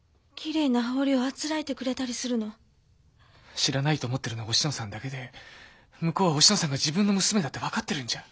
知らないと思ってるのはおしのさんだけで向こうはおしのさんが自分の娘だって分かってるんじゃ？